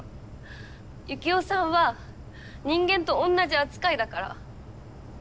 ユキオさんは人間と同じ扱いだから。